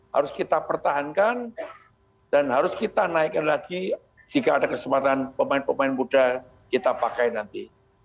harus kita pertahankan dan harus kita naikkan lagi jika ada kesempatan pemain pemain muda kita pakai nanti